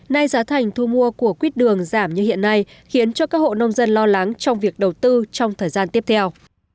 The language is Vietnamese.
nay giá thành thu mua của quyết đường giảm như hiện nay khiến cho các hộ nông dân lo lắng trong việc đầu tư trong thời gian tiếp theo